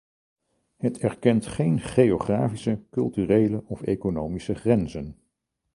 Het erkent geen geografische, culturele of economische grenzen.